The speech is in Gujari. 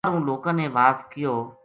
باہروں لوکاں نے واز کیو